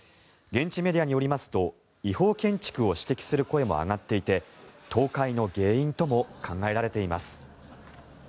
現地メディアによりますと違法建築を指摘する声も上がっていて倒壊の原因とも考えられています。